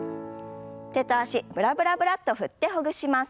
手と脚ブラブラブラッと振ってほぐします。